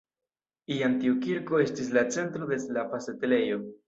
Iam tiu kirko estis la centro de slava setlejo.